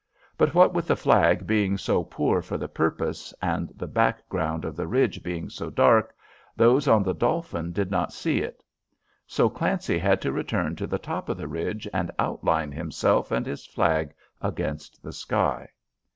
But what with the flag being so poor for the purpose, and the background of ridge being so dark, those on the Dolphin did not see it. So Clancy had to return to the top of the ridge and outline himself and his flag against the sky.